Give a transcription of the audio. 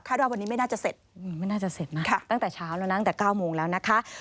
ข้าวด่วงวันนี้ไม่น่าจะเสร็จมากตั้งแต่เช้าแล้วนะตั้งแต่๙โมงแล้วนะคะ